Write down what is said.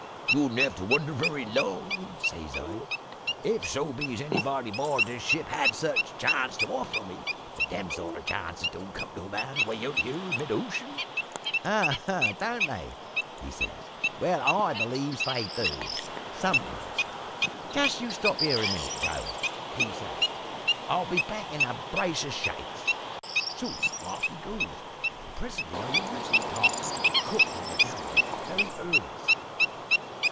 "`You wouldn't have to wonder very long,' says I, `if so be as anybody aboard this ship had such a chance to offer me. But them sort of chances don't come to a man away out here in mid ocean.' "`Oh, don't they?' he says. `Well, I believes they do sometimes. Just you stop here a minute, Joe,' he says; `I'll be back in a brace of shakes.' "So off he goes, and presently I hears him talkin' to the cook in the galley, very earnest.